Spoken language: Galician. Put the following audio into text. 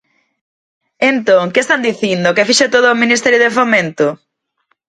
Entón, ¿que están dicindo, que fixo todo o Ministerio de Fomento?